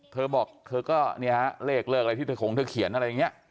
เธอบอกเธอก็เนี่ยฮะเลขเลิกอะไรที่เธอคงเธอเขียนอะไรอย่างนี้